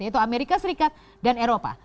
yaitu amerika serikat dan eropa